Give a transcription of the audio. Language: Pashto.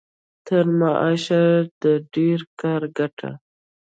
تر معاش د ډېر کار ګټه.